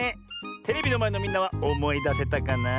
テレビのまえのみんなはおもいだせたかな？